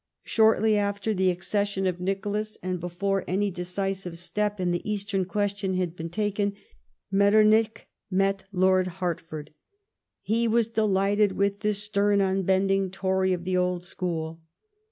Shortly after the accession of Nicholas, and before any decisive step in the Eastern question had been taken, ]\retternich met Lord Hertford. He was delighted with this stern, unbending Tory of the old school.